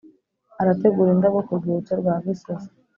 Arategura indabo ku rwibutso rwa Gisozi